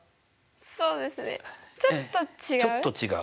そうですねちょっと違う？